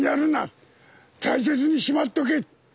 大切にしまっとけ。